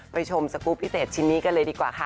ชมสกรูปพิเศษชิ้นนี้กันเลยดีกว่าค่ะ